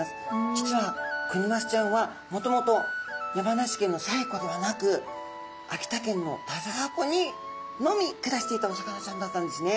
実はクニマスちゃんはもともと山梨県の西湖ではなく秋田県の田沢湖にのみ暮らしていたお魚ちゃんだったんですね。